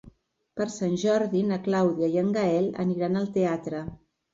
Per Sant Jordi na Clàudia i en Gaël aniran al teatre.